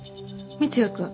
三ツ矢くん。